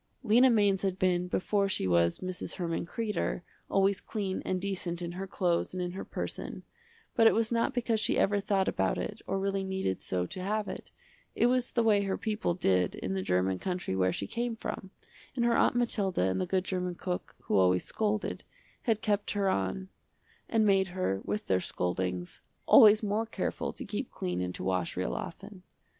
Lena Mainz had been, before she was Mrs. Herman Kreder, always clean and decent in her clothes and in her person, but it was not because she ever thought about it or really needed so to have it, it was the way her people did in the german country where she came from, and her Aunt Mathilda and the good german cook who always scolded, had kept her on and made her, with their scoldings, always more careful to keep clean and to wash real often.